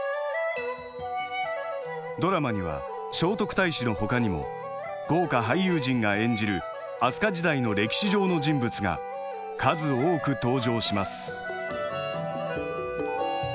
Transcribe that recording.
ドラマには聖徳太子のほかにも豪華俳優陣が演じる飛鳥時代の歴史上の人物が数多く登場します。